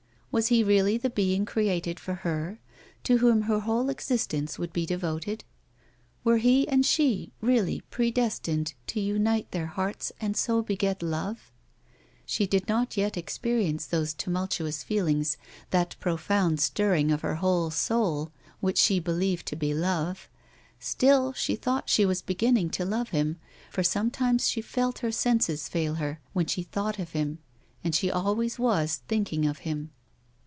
Was he really the being created for her, to whom her whole existence would be devoted 1 Were he and she really predestined to unite their hearts and so beget Love 1 She did not yet experience those tumultuous feelings, those wild raptures, that pro found stirring of her whole soul, which she believed to be love ; still she thought she was beginning to love him, for sometimes she felt her senses fail her when she thought of him and she always was thinking of him.